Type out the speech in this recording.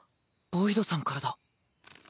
ボイドさんからだ。